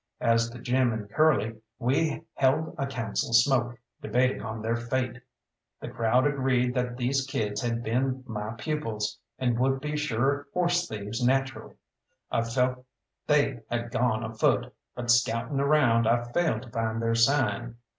As to Jim and Curly, we held a council smoke, debating on their fate. The crowd agreed that these kids had been my pupils, and would be sure horse thieves naturally. I felt they had gone afoot, but scouting around, I failed to find their sign.